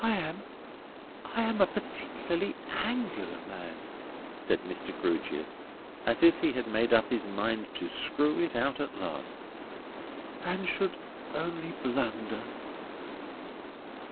I am—I am a particularly Angular man," said Mr. Grewgious, as if he had made up his mind to screw it out at last: "and should only blunder."